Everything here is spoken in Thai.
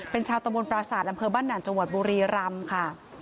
เป็นชาวตะบนปราศาสตร์อำเภอบ้านหั่นจังหวัดบุรีรำค่ะ